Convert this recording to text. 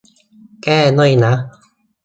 แก้ด้วยนะ